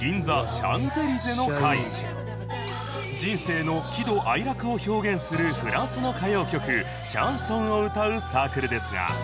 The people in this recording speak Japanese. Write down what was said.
人生の喜怒哀楽を表現するフランスの歌謡曲シャンソンを歌うサークルですが